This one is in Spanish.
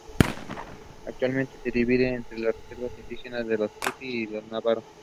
Actualmente se divide entre la reservas indígenas de los Hopi y los Navajo.